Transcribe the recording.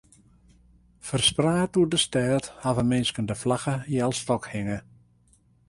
Ferspraat oer de stêd hawwe minsken de flagge healstôk hinge.